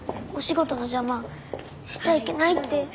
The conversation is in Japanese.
お仕事の邪魔しちゃいけないって。